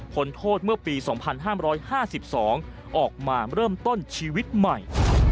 โทษเมื่อปี๒๕๕๒ออกมาเริ่มต้นชีวิตใหม่